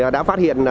đã phát hiện